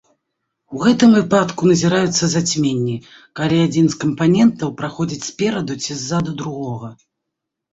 У гэтым выпадку назіраюцца зацьменні, калі адзін з кампанентаў праходзіць спераду ці ззаду другога.